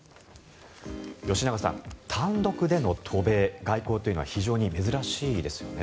吉永さん、単独での渡米外交というのは非常に珍しいですよね。